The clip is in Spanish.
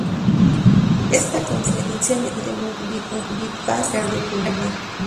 Ésta consiste esencialmente en un bypass cardiopulmonar.